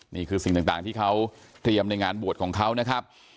นี่คือสิ่งต่างที่เขาเตรียมในงานบวชของเขานะครับ